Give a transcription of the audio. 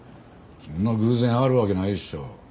そんな偶然あるわけないでしょ。